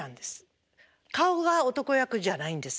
顔が男役じゃないんです。